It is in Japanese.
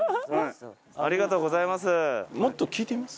ありがとうございます。